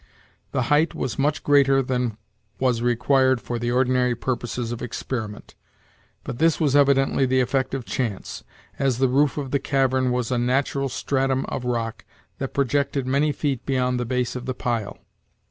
The height was much greater than was required for the ordinary purposes of experiment, but this was evidently the effect of chance, as the roof of the cavern was a natural stratum of rock that projected many feet beyond the base of the pile.